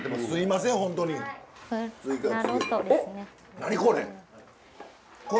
何これ？